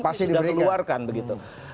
kita sudah keluarkan begitu